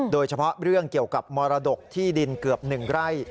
โดยเฉพาะเรื่องเกี่ยวกับมรดกที่ดินเกือบ๑ไร่